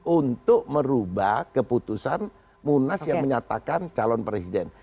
untuk merubah keputusan munas yang menyatakan calon presiden